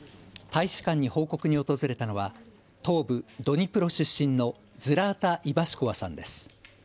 大使館に報告に訪れたのは東部ドニプロ出身のズラータ・イヴァシコワさんです。